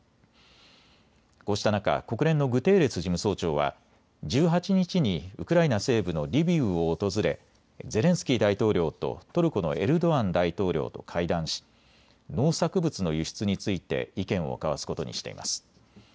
こうした中、国連のグテーレス事務総長は１８日にウクライナ西部のリビウを訪れゼレンスキー大統領とトルコのエルドアン大統領と会談し農作物の輸出について意見を交わすことにしています。